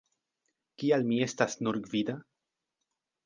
Kial mi estas "nur gvida"?